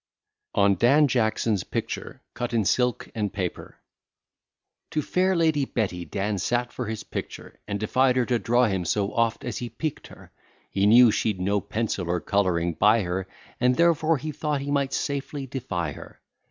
ON DAN JACKSON'S PICTURE, CUT IN SILK AND PAPER To fair Lady Betty Dan sat for his picture, And defied her to draw him so oft as he piqued her, He knew she'd no pencil or colouring by her, And therefore he thought he might safely defy her.